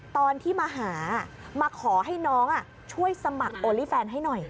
ตอนที่มาหามาขอให้น้องช่วยสมัครโอลี่แฟนให้หน่อย